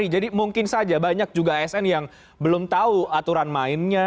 jadi mungkin saja banyak juga asn yang belum tahu aturan mainnya